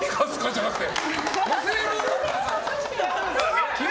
じゃなくて！